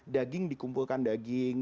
daging dikumpulkan daging